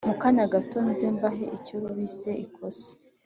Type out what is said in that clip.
mukanya gato nze mbahe icyo bise ikosora”